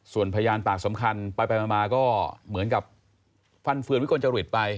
ส่วนพยานปากสำคัญไปมาก็เหมือนกับฟันเฟือนวิกลจริตไป